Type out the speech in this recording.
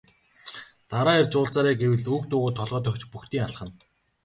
Дараа ирж уулзаарай гэвэл үг дуугүй толгой дохиж бөгтийн алхана.